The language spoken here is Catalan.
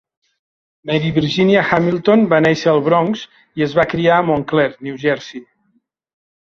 Mary Virginia Hamilton va néixer al Bronx i es va criar a Montclair (New Jersey).